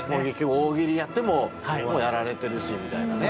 大喜利やってももうやられてるしみたいなね。